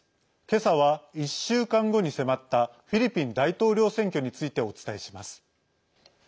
けさは１週間後に迫ったフィリピン大統領選挙についてお伝えします。